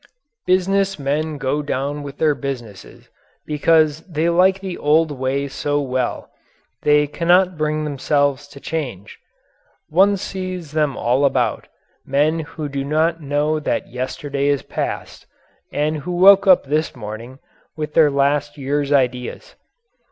Business men go down with their businesses because they like the old way so well they cannot bring themselves to change. One sees them all about men who do not know that yesterday is past, and who woke up this morning with their last year's ideas.